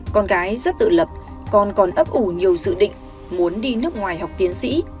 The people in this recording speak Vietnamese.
con gái rất tự lập còn còn ấp ủ nhiều dự định muốn đi nước ngoài học tiến sĩ